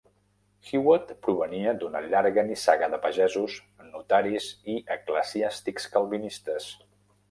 Hewat provenia d'una llarga nissaga de pagesos, notaris i eclesiàstics calvinistes.